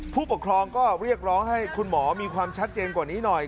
ผู้ปกครองก็เรียกร้องให้คุณหมอมีความชัดเจนกว่านี้หน่อย